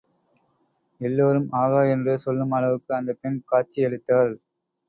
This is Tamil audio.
எல்லோரும் ஆகா என்று சொல்லும் அளவுக்கு அந்தப் பெண் காட்சி அளித்தாள்.